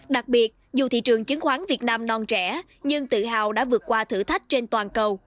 đặc biệt dù thị trường chứng khoán việt nam non trẻ nhưng tự hào đã vượt qua thử thách trên toàn cầu